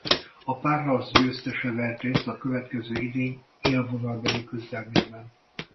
A párharc győztese vehet részt a következő idény élvonalbeli küzdelmében.